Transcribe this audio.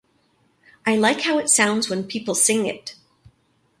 I like how it sounds when people sing it.